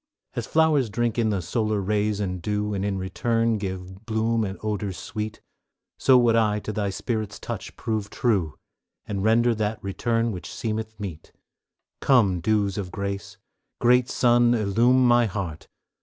As flowers drink in the solar rays and dew, And in return give bloom and odors sweet, So would I to Thy Spirit's touch prove true, And render that return which seemeth meet; Come, dews of grace! Great Sun, illume my heart!